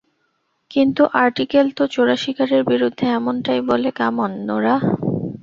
কিন্তু আর্টিকেল তো চোরাশিকারের বিরুদ্ধে এমনটাই বলে কাম অন, নোরাহ!